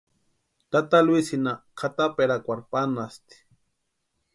Tata Luisïnha kʼataperakwarhu panhasti.